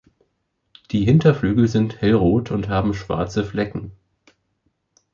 Die Hinterflügel sind hellrot und haben schwarze Flecken.